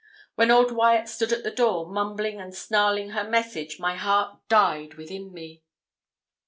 When old Wyat stood at the door, mumbling and snarling her message, my heart died within me.